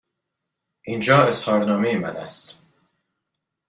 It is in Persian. اینجا اظهارنامه من است.